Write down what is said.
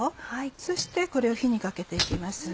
そしてこれを火にかけて行きます。